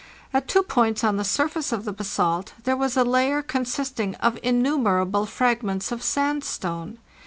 At two points on the surface of the basalt there was a layer consisting of innumerable fragments of sandstone.